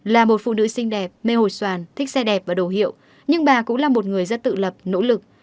là một phụ nữ xinh đẹp mê hồi soàn thích xe đẹp và đồ hiệu nhưng bà cũng là một người rất tự lập nỗ lực